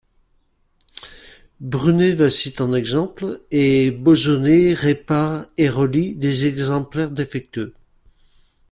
Brunet la cite en exemple et Bauzonnet répare et relie les exemplaires défectueux.